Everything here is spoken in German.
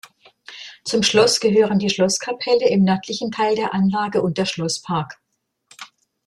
Zum Schloss gehören die Schlosskapelle im nördlichen Teil der Anlage und der Schlosspark.